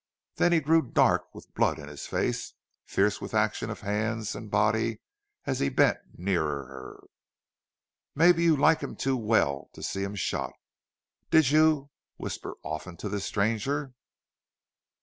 Then he grew dark with blood in his face, fierce with action of hands and body as he bent nearer her. "Maybe you like him too well to see him shot?... Did you whisper often to this stranger?"